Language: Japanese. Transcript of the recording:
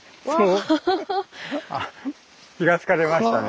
気が付かれましたね。